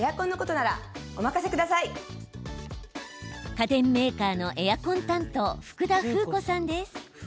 家電メーカーのエアコン担当福田風子さんです。